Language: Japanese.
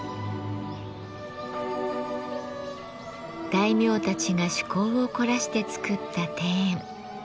大名たちが趣向を凝らして作った庭園。